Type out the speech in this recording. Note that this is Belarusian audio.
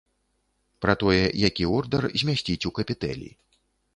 Пра тое, які ордар змясціць у капітэлі.